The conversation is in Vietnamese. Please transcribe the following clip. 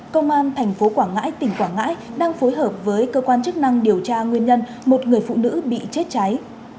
công an thành phố quảng ngãi tỉnh quảng ngãi đang phối hợp với cơ quan chức năng điều tra nguyên nhân một người phụ nữ bị chết cháy